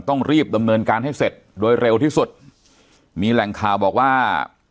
ต้องรีบดำเนินการให้เสร็จโดยเร็วที่สุดมีแหล่งข่าวบอกว่า